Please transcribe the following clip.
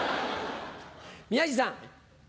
宮治さん。